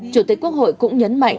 chủ tịch quốc hội cũng nhấn mạnh